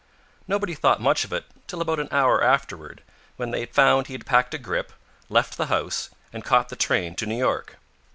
Nobody thought much of it till about an hour afterward, when they found that he had packed a grip, left the house, and caught the train to New York.